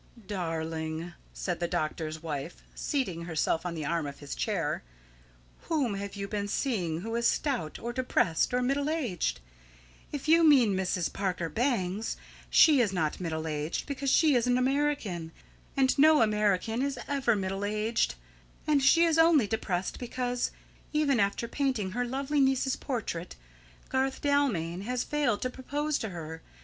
"Darling," said the doctor's wife, seating herself on the arm of his chair, "whom have you been seeing who is stout, or depressed, or middle aged? If you mean Mrs. Parker Bangs, she is not middle aged, because she is an American, and no American is ever middle aged. And she is only depressed because, even after painting her lovely niece's portrait, Garth Dalmain has failed to propose to her.